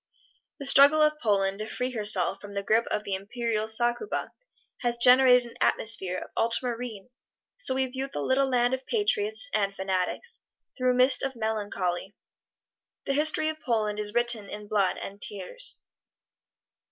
The struggle of Poland to free herself from the grip of the imperial succubi has generated an atmosphere of ultramarine, so we view the little land of patriots (and fanatics) through a mist of melancholy. The history of Poland is written in blood and tears.